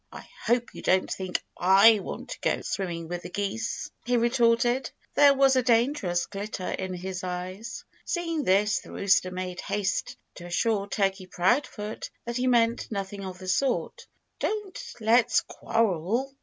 "I hope you don't think I want to go swimming with the geese," he retorted. There was a dangerous glitter in his eyes. Seeing this, the rooster made haste to assure Turkey Proudfoot that he meant nothing of the sort. "Don't let's quarrel!"